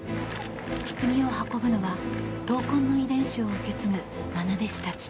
ひつぎを運ぶのは闘魂の遺伝子を受け継ぐ愛弟子たち。